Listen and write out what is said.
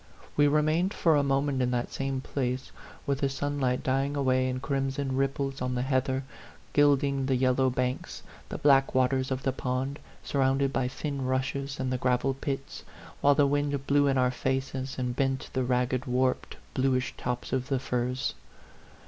We remained for a moment in that same place, with the sun light dying away in crimson ripples on the heather, gilding the yellow banks, the black waters of the pond, surrounded by thin rushes, and the gravel pits; while the wind blew in our faces, and bent the ragged, warped, bluish tops of the firs.